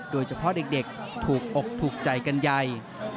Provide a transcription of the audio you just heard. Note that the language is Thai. โดยเฉพาะเด็กถูกอกถูกใจกันใหญ่